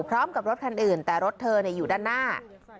พร้อมกับรถคันอื่นแต่รถเธออยู่ด้านหน้า